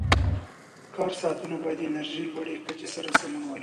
کار ساعتونه باید د انرژۍ لوړې کچې سره سمون ولري.